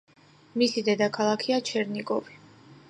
მისი დედაქალაქია ჩერნიგოვი.